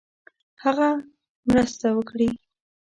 هغه مرسته وکړي.